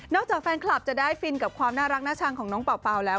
จากแฟนคลับจะได้ฟินกับความน่ารักน่าชังของน้องเป่าแล้ว